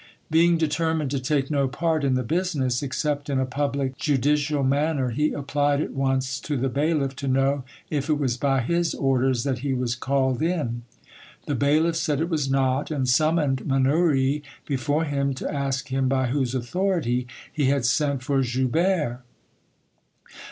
Being determined to take no part in the business, except in a public and judicial manner, he applied at once to the bailiff to know if it was by his orders that he was called in. The bailiff said it was not, and summoned Mannouri before him to ask him by whose authority he had sent for Joubert.